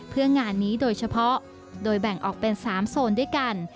เพื่องานนี้โดยเฉพาะโดยแบ่งออกเป็น๓โซนด้วยกัน